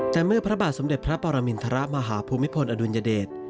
แต่เมื่อพระบาทสมเด็จพระปรมินทรมาฮภูมิพลอดุลยเดช